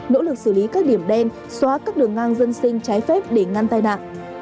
nỗ lực xử lý các điểm đen xóa các đường ngang dân sinh trái phép để ngăn tai nạn